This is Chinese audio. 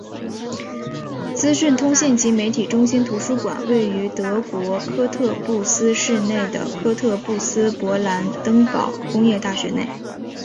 资讯通信及媒体中心图书馆位于德国科特布斯市内的科特布斯勃兰登堡工业大学内。